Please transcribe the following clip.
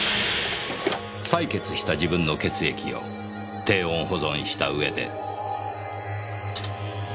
採血した自分の血液を低温保存したうえで。